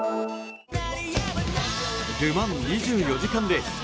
ル・マン２４時間レース。